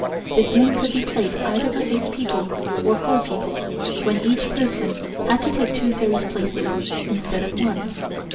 This game could be played either by eight people or four people, when each person had to take two fairies' places, instead of one.